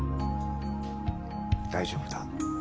大丈夫だ。